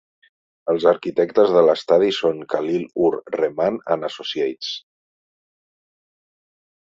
Els arquitectes de l'estadi són Khalil-ur-Rehman and Associates.